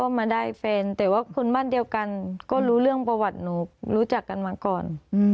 มาได้แฟนแต่ว่าคนบ้านเดียวกันก็รู้เรื่องประวัติหนูรู้จักกันมาก่อน